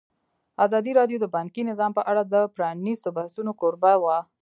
ازادي راډیو د بانکي نظام په اړه د پرانیستو بحثونو کوربه وه.